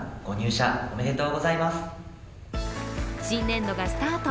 新年度がスタート。